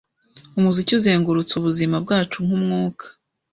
Umuziki uzengurutse ubuzima bwacu nkumwuka.